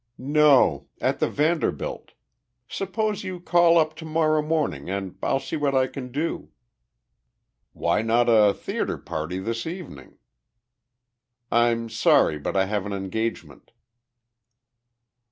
"No at the Vanderbilt. Suppose you call up to morrow morning and I'll see what I can do." "Why not a theater party this evening?" "I'm sorry, but I have an engagement."